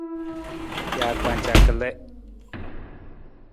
Jaakpanca kalii.